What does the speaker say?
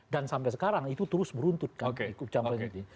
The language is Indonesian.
dan sampai sekarang itu terus beruntutkan di kukub jamboreng ini